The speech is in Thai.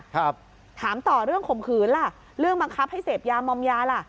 ถามต่อเรื่องข่มขืนล่ะเรื่องบังคับให้เสพยามอมยาล่ะ